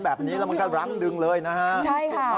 แบบนี้แล้วมันก็รั้งดึงเลยนะฮะใช่ค่ะ